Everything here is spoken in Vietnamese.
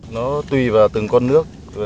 nó tùy vào từng con nước